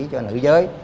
cho nữ giới